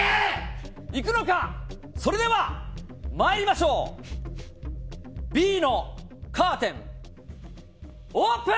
それでは参りましょうＢのカーテン、オープン！